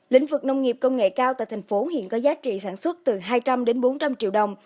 lĩnh vực nông nghiệp công nghệ cao tại thành phố hiện có giá trị sản xuất từ hai trăm linh đến bốn trăm linh triệu đồng